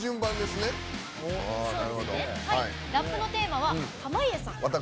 ラップのテーマは「濱家さん」。